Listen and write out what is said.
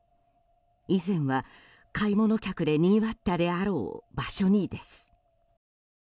以前は、買い物客でにぎわったであろう場所にです。